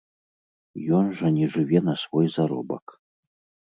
Ён жа не жыве на свой заробак.